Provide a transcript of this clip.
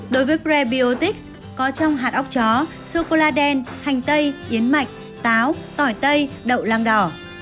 đối với prebiotics có trong hạt ốc chó sô cô la đen hành tây yến mạch táo tỏi tây đậu lang đỏ